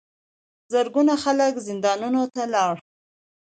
زرګونه خلک زندانونو ته لاړل.